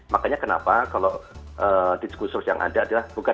makanya kenapa kalau diskursus yang ada adalah bukan